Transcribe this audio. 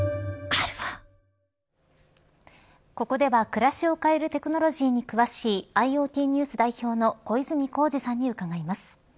ここでは暮らしを変えるテクノロジーに詳しいＩｏＴＮＥＷＳ代表の小泉耕二さんに伺います。